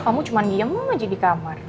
kamu cuma diem aja di kamar